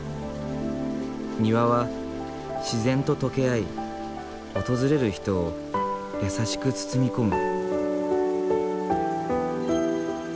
庭は自然と溶け合い訪れる人を優しく包み込む。